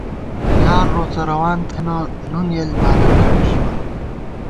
یار روڅہ روان تھنہ، نُن یېل بانن کھنٹ ژِمان